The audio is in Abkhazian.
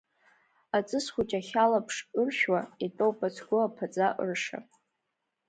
Аҵыс хәыҷ ахь алаԥш ыршәуа, итәоуп ацгәы, аԥаҵа ырша.